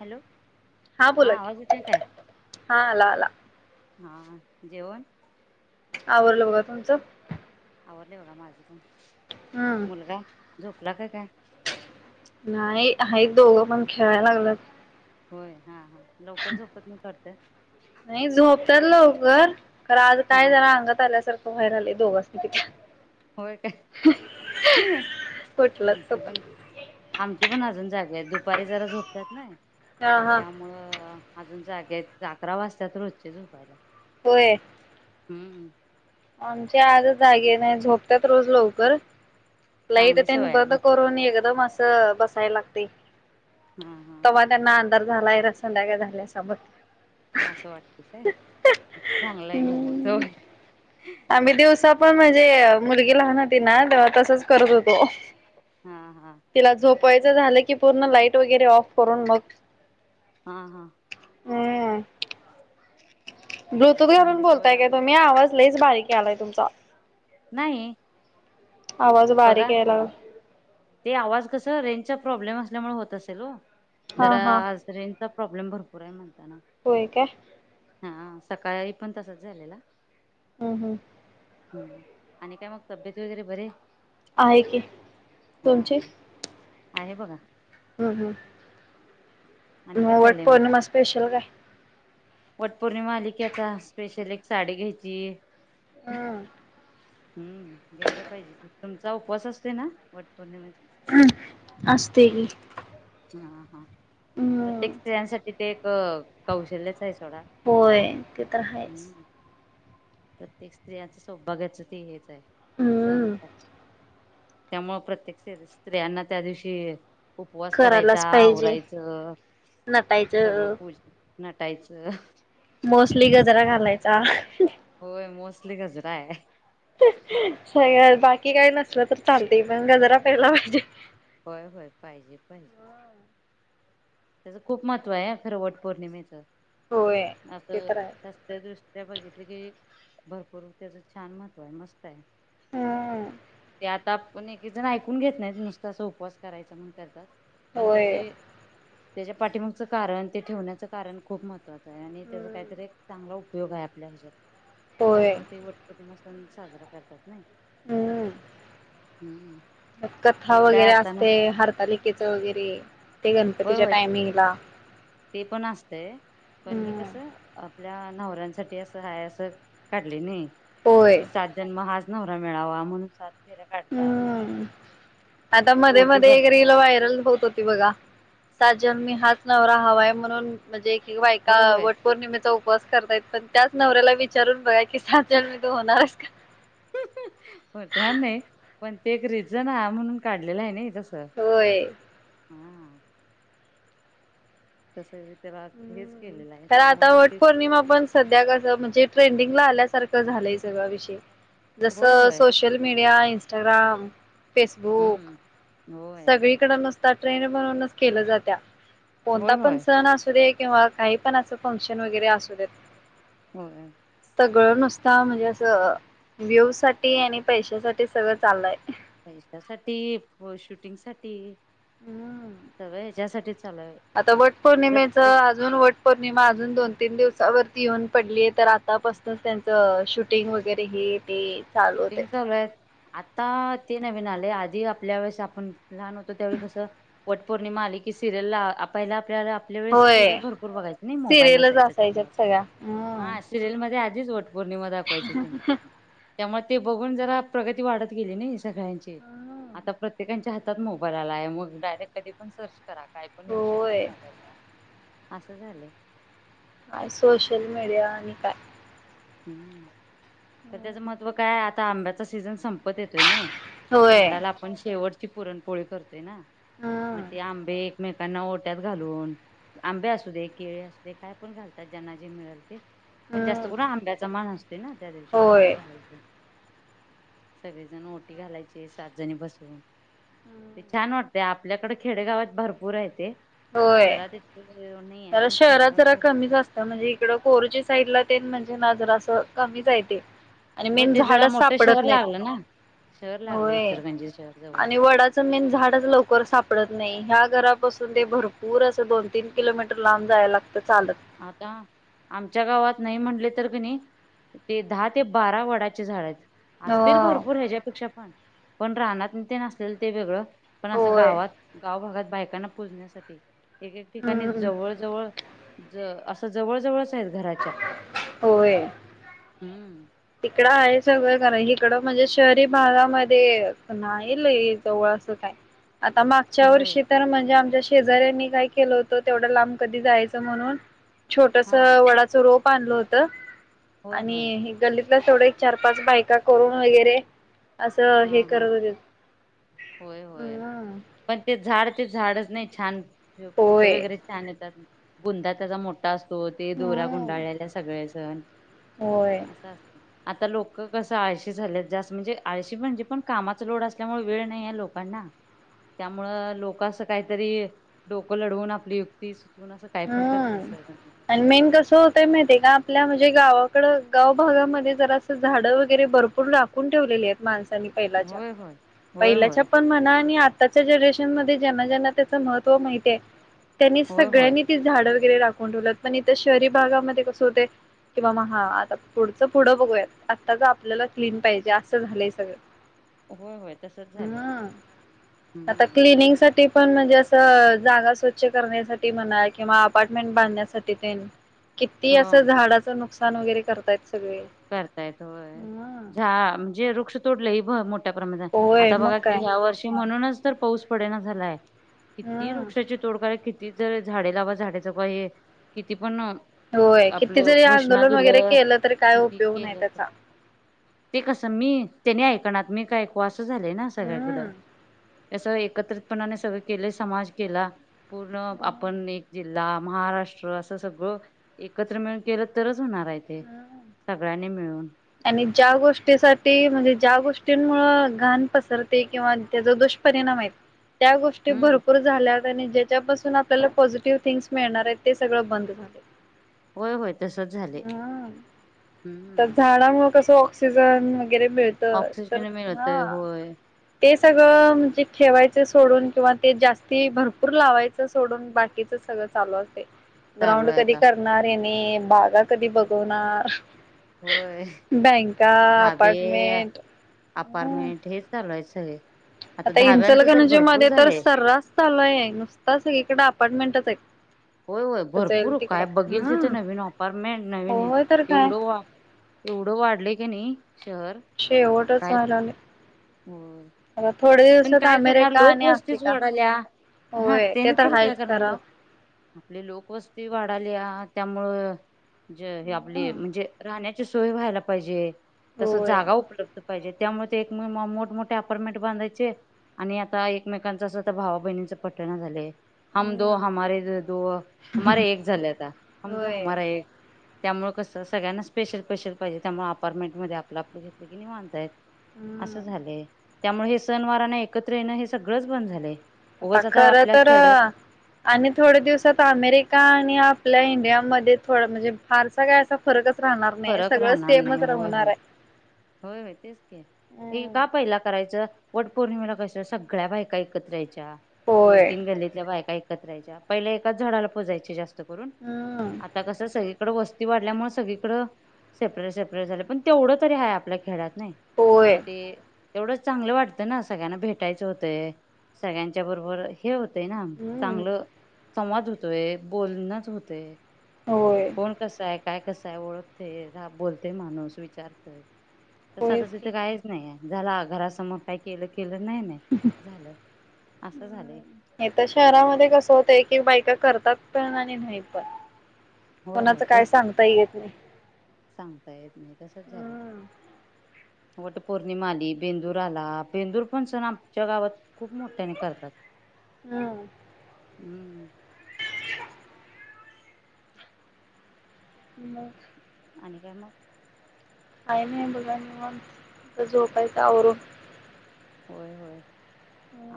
Hello हा बोला की आवाज येतोय काय. हा आला आला हा जेवण. आवरल बघा तुमच. आवरले बघा माझा पण हम्म मुलगा झोपला का काय? नाही आहेत दोघं पण खेळायला लागलंत. होय हा हा लवकर झोपत नाहीत वाटतं. नाही झोपतात लवकर खरं आज काय हा जरां अंगात आल्यासारखं बाहेर आले दोघासनी तिथं होय काय कुठलंच आमचे पणं स्वतः आमचे पण अजून जागे आहेत, दुपारी जरां झोपत्यात नाय हा हा त्यामुळं अजून जाग्या अकरा वाजत्यात रोजचे झोपायला होय. हम्म. आमचे आजचं जागे नाहीत झोपतात रोज लवकरं लाईट चांगली तेन सवय आहे बंद रोजची करून एकदमं असं बसायला लागतंय. हा हा. तवा त्यांना अंधार झालायं र संध्याकाळ झाल्या समजतं. असं वाटत ते चांगलंय घेऊ मग हम्म, जाऊदे आम्ही दिवसा पणं म्हणजे मुलगी लहान होती ना तेव्हा तसचं करत होतो हा हा तिला झोपावायचं झालं की पूर्ण लाईट वगैरे ऑफ करून मगं हा हा. हम्म. तसं आहे ब्लूटूथ घालून चांगली सवय बोलताय का लागली तुम्ही आवाज लईच बारीक यालाय तुमचा? नाही. आवाज बघा बारीक याय लागला ते आवाज कसं रेंजचा प्रॉब्लेम असल्यामुळे होत असेल ओ हा हा जरां रेंजचा प्रॉब्लेम भरपूर आहे म्हणताना होय काय? हा सकाळी पण तसांच झालेला हम्म हम्म. हम्म आणि काय मग तब्येत वगैरे बरीये? आहे की. हां तुमची हां आहे बघा. हम्म हम्म. आणि काय वट चाललंय मग? पौर्णिमा स्पेशल काय वटपौर्णिमा आली की आता स्पेशल एक साडी घ्यायची. हम्म हम्म घ्यायला पाहिजे की, तुमचा उपवास असतोय ना वटपौर्णिमेचा. असते की हा हा हम्म प्रत्येक स्त्रियांसाठी ते एक अह कौशल्यच आहे सोडा होय ते तर आहेच. हम्म प्रत्येक स्त्रियांचं सौभाग्याच ते हेच आहे सणच हम्म आहे. त्यामुळे प्रत्येक स्त्रियांना त्या दिवशी उपवास करायचा करायलाच पाहिजे आवरायचं सगळं नटायचं पूजा नटायचं मोस्टली गजरा घालायचा. होय मोस्टली गजरा आहे. सगळ्या बाकी काय नसलं तर चालतय पण गजरा पहिला पाहिजे. होय होय पाहिजे पाहिजे. त्याचं खूप महत्त्व आहे खरं वटपौर्णिमेच होय ते असं तर आहे. शा त्या दृष्ट्या बघितलं की भरपूर त्याचं छान महत्त्व आहे, मस्त आहे. हां. तर आपण एक एक जण ऐकून घेत नाहीत, नुसतं असा उपवास करायचा म्हणून करतात पण होय. त्याजी त्याच्या पाठी मागचं कारण ते ठेवण्याचं कारण खूप महत्त्वाचं आहे आणि त्याच हम्म. काहीतरी एक चांगला उप उपयोग आहे आपल्या ह्याच्यात होय. त्यामुळे ते वटपौर्णिमा सण साजरा करतात नाही हम्म हम्म. कथा हे काय वगैरे आता असते नसतं हरतालीका वगैरे ते होय गणपतीच्या होय टायमिंगला ते पण असतय पण हे हम्म कसं आपल्या नवऱ्यांसाठी असं रहायचं असं काढलय ना. होय. कि सात जन्म हाच नवरा मिळावा म्हणून सात फेऱ्या काढतात हम्म आता मध्ये ओटी मध्ये एक भरतात. रीली व्हायरल होत होती बघा. सात जन्मी हाच नवरा हवाय म्हणून म्हणजे एक बायका होय होय वट. पौर्णिमेचा उपवास करतायत पण त्याच नवऱ्याला विचारून बघा की सात जन्मी तू होणार आहेस का? होणार नाही पण ते एक रिजन आहे म्हणून काढलेलं आहे ना तसं. होय् हा. तस त्याला हेच हम्म. केलेलं आहे खरं आता त्यामुळं वट ते पौर्णिमा पण सध्या कसं म्हणजे ट्रेंडिंग ला आल्यासारखं झालंय सगळं विषय होय जसं होय सोशल मीडिया इंस्टाग्राम फेसबुक हम्म. होय सगळी नुसता ट्रेंड म्हणून केला जातोय कोणता होय पण होय सण अस. काही पणं अस फंक्शन वगैरे असू दे. हम्म सगळं नुसता म्हणजे असं. विव्ह साठी आणि पैशासाठी सगळं चाललंय. पैशासाठी शूटिंग साठी हम्म. सगळं हच्यासाठी चालय. आता वट पौर्णिमेच. अजून वट पौर्णिमा अजून दोन तीन दिवसावरती येऊन पडली आहे तर आतापासूनच त्यां शूटिंग वगैरे हे ते. चालू होते शूटिंग चालू आहे आता ते नवीन आले आधी आपल्या वेळेस आपण. लहान होतं त्यावेळी कसं वट पौर्णिमा आली की सिरियल ला पहिला आपल्याला आपल्या वेळेस सिरियल होय भरपूर बघायचं ना मोबाईल सिरियलच नसायचं त्यामुळं. असायच्यात सगळ्या हम्म हा सिरियल मध्ये आधीच वट पौर्णिमा दाखवायची तिने त्यामुळे ते बघून जरा प्रगती वाढत गेली नाही सगळ्यांची आता प्रत्येकांच्या हातात मोबाईल आला आहे मग डायरेक्ट कधी पण सर्च करा. काय पण येऊ शकते होय मोबाईल ला असं झाले. काय सोशल मीडिया आणि काय हम् तर त्याचं महत्त्व काय आता आंब्याचा सीझन संपत येतोय नी. होय बेंदराला आपण शेवटची पुरणपोळी करतोय ना मग हम्म ते आंबे. एकमेकांना ओट्यात घालून. आंबे असू दे केळी असू दे काय पण घालतात ज्यांना जे मिळेल ते. पण जास्त हम्म करून आंब्याचा मान असतोय ना त्या दिवशी ओटी. होय सगळेजण ओटी घालायचे सात जणी बसून. ते छान वाटते आपल्याकडे खेडेगावात भरपूर आहे ते होय शहरात इथ नाही आहे जरा पण शहरात खेडेगाड जरा भरपूर. कमीच असतं म्हणजे इकडं कोरोची साईडला तेन म्हणजे ना जरा असं कमीच आहे ते. आणि होय मेन ते झाड जरा मोठं सापडत शहर लागलं ना. शहर नाहीत लागलं होय इचलकरंजी शहर जवळ. आणि वडा मेन झाडच लवकर सापडत नाही ह्या घरा बस. ते भरपूर असं दोन तीन किलोमीटर लांब जायला लागतं चालत. आता आमच्या गावात नाही म्हटले तर कणी ते दहा ते बारा वडाचे झाड आहेत. ह असतील भरपूर ह्याच्यापेक्षा पण पण रानातनि तेन असलेलं ते वेगळं पण असं होय गावात. गाव भागात बायकांना पुजण्यासाठी एकक ठिकाणी हम्म जवळ जवळ. ज असं जवळ जवळच आहेत घराच्या होय हम्म तिकडं आहे सगळं कार तिकडं म्हणजे शहरी भागामध्ये नाहील जवळ असं काय. आता मग. ह्या होय वर्षी तर म्हणजे आमच्या शेजाऱ्यांनी काय केलं होतं तेवढं लांब कधी जायचं म्हणून. छोटस हा वडाच रोप आणलं होत होय आणि होय हे गल्ली. थोड चार पाच बायका करून वगैरे असं हे हा हा करत होते. होय होय हम्म पण ते झाड ते झाडच नाही छान फोटो होय वगैरे. छान येतात बुंदा त्याचा मोठा असतो ते दोरा हम्म गुंडाळलेल्या सगळे सण होय. आता लोक कस आळशी झाल्यात जास्त म्हणजे आळशी म्हणजे पण कामाचा लोड असल्यामुळे. वेळ नाही आहे लोकांना त्यामुळ लोक असं काहीतरी डोकं लढवून आपली युक्ती असं काय पण हम्म करताय. आणि मेन कसं होतय माहितीे का आपल्या म्हणजे गावाकडं गाव भागामध्ये जरा असं झाडं वगैरे भरपूर ला. ठेवलेली आहेत माणसांनी पहिलाच्या होय होय होय पहिल्याच्या होय पण म्हणा आणि आताच्या जनरेशन मध्ये ज्यांना ज्यांना त्याच महत्व माहिते त्यांनी होय होय. सगळ्यांनी. त झाडं वगैरे राखून ठेवलात पण इथ शहरी भागामध्ये कसं होते. किं बा म हा आता पुढचं पुढं बघूयात आत्ताच आपल्याला क्लीन पाहिजे असं झालंय सगळं. [unintelligible] होय तसच झालंय हम आता हम्म क्लनिंग साठी. पण म्हणजे असं जागा स्वच्छ करण्यासाठी म्हणा किंवा अपार्टमेंट बांधण्यासाठी ते. किती असं हो झाडाचं नुकसान वगैरे करतायत सगळे. करता येत होय हम्म झाड म्हणजे वृक्ष तोडलं ही मोठ. मोठ्या प्रमाणात होय आता मग बघा काय की ह्या वर्षी म्हणूनच तर पाऊस पडेना झालाय. किती हम्म वृक्षाची तोड का आहे किती जर झाडे लावा झाडाचं काही किती पण. होय किती आपलं जरी घोषणा आंदोलन वगैरे दिलं. केलं तरी काय क उपयोग नाही केलेत त्याचा ते कस मी त्याने ऐकणार मी काय. कसं झालंय ना हम्म सगळीकडं एकत्रितपणाने सगळ केले समाज केला. पूर्ण आपण एक. जिल्हा महाराष्ट्र असं सगळं एकत्र मिळून केलं तरच होणार आहे इथे. सगळ्यांनी मिळून. आणि ज्या गोष्टीसाठी म्हणजे ज्या गोष्टींमुळं घाण पसरते किंवा त्याचा दुष्परिणाम य [unintelligible] त्या गोष्टी हम्म भरपूर. झाल्या आणि ज्याच्यापासून आपल्याला पॉझिटिव्ह थिंग्स मिळणार आहेत ते सगळं बंद झाले. होय होय तसच झाले. हा तर हम्म झाडामुळे कसं ऑक्सिजन वगैरे मिळतं तर ऑक्सिजन मिळतय हा. होय ते सगळं म्हणजे ठेवायचं सोडून किंवा ते जास्ती भरपूर लावायचं सोडून बाकी. सगळं चालू असते. चालू ग्राउंड आहे कधी आता करणार हे बाजार कधी भरवणार. होय. बँका धाबे अपार्टमेंट. हम्म अपार्टमेंट हे चालूय सगळे आता धाब्यांचं तर इंचलगणजी भरपूर मध्ये तर झालंय सर्रास चालू आहे नुसता सगळीकडे अपार्टमेंटच आहे होय होय भरपूर काय बघेल तिथे नवीन अपार्टमेंट नवीन आहे होय तर काय एवढं वा एवढं वाढलंय का नाही शहर. शेवटच काय व्हायला होय. लागले. थोडे पण दिवसात काय करणार अमेरिका आणि लोकवस्तीच आफ्रिका. वाढाल्या हा होय ते त्याने तर तरी हायच काय करणार खरा. लोक आपली लोकवस्ती वाढाली त्यामुळं जे हे हम्म आपले म्हणजे राहण्या सोय व्हायला पाहिजे तस होय जागा उपलब्ध पाहिज त्यामुळे ते एक मोठमठे अपॉर्में बधाय आणि आता एकमेकांच अस तर भावा बहिणीच पठणा झालं हम दो हम्म हमारे दो हमारे एक झाल्याता हम दो होय हमारा एक. त्यामुळे कसं सगळ्यांना स्पेशल पैशल पाहिजे त्यामुळे अपार्टमेंट मध्ये आपलं आपलं घेतलं की नाही माांधतायत हम्म असं झालेय त्यामुळे हे सण वाराना एकत्र येणं हे सगळंच बंद झालं ता खरं तर आणि थोड्या दिवसात अमेरिका आणि आपल्या इंडियामध्ये थोडं म्हणजे फारसा काय असं फरकच राहणार नाही फरक सगळं राहणार नाही स्टेमच रा होय होणार होय आहे होय होय तेच के हे हम्म का पहिला करायचं वट पौर्णिमेला कश सगळ्या बायका एकऐत्रहायच्या. दोन होय तीन गल्लीतल्या बायका एकत्रहायच्या पहिल्या एकाच झाडाला पोजायचे जास्त करून हम् आता कसं सगळीकडं वस्ती वाढल्यामुळे सगळीकडं सेपरेट सेपरेट झाले पण तेवढं तरी आहे आपल्या खेळात नाही होय मग ते तेवढंच चांगलं वाटतं ना सगळ्यांना भेटायचं होतंय सगळ्यांच्या बरोबर हे होतय ना हम्म चांगलं संवाद होतोय बोलणच होते होय, कोण कस आहे काय कसंय ओळखते रा बोलते माणूस विचारतय तसं आता होयच की तिथं काहीच नाही झाला घरासमोर काय केलं केलं नाही नाही. झालं असं झालंय हम्म हे तर शहरामध्ये कसं होतय की बायका करतात पण आणि नाही पण होय कोणाच होय काय तेच सांगता ये घेत नाही सांगता येत नाही तसच झालं हम्म वट पौर्णिमा आली बेंदूर आला बेंदूर पण सण आमच्या गावात. खूप मोठ्याने करतात हम् हम्म ह [inaudible] ह आणि काय मग. आई नाही बघा मग झोपायचं आवरून होय होय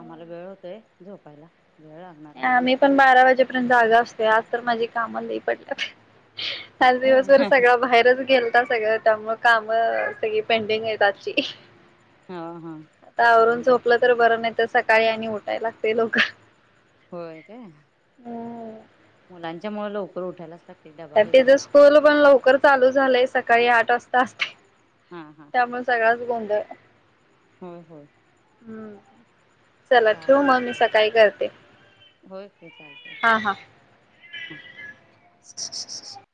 आम्हाला वेळ होतोय झोपायला वेळ लागणार आ अजून मही पण बारा वाजेपर्यंत जागा असतते आज तर माझी काम ल पडल्या. पाच ठीक आहे दिवसभर सगळं बाहेरच गेलता सगळं त्यामु काम सगळी पेंडिंग आहेत आजची हा हा आता आवरून करून घ्या झोपलं तर करून घ्या बरं नाही तर सकाळी आणि उठाय लागते लोक. होय काय हम्म मुलांच्या मु लवकर उठायलाचत तर तिथं स्कूल पण लवकर चालू झालंय सकाळी आठ वाजता असते हा हा. त्यामुळेण सगळ्याच गोंध. होय होय. हम्म. चला ठेव चालते मग मी चालते सकाळी करते होय ते चालतय हा हा [unintelligible]